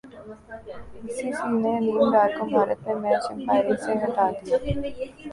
ائی C C نے علیم ڈار کو بھارت میں میچ امپائرنگ سے ہٹا دیا